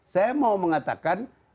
saya mau mengatakan